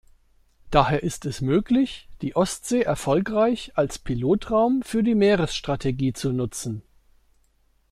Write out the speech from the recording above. Daher ist es möglich, die Ostsee erfolgreich als Pilotraum für die Meeresstrategie zu nutzen.